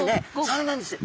そうなんです。